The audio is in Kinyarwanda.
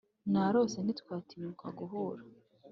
narose; ntitwatinyuka guhura.